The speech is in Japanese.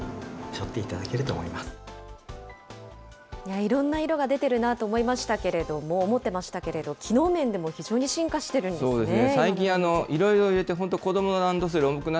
いろんな色が出てるなと思いましたけれども、思ってましたけれども、機能面でも非常に進化しているんですね。